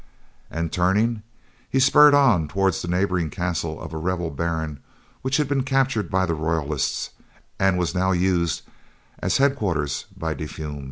And turning, he spurred on towards the neighboring castle of a rebel baron which had been captured by the royalists, and was now used as headquarters by De Fulm.